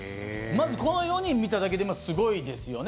まずこの４人見ただけでもすごいですよね。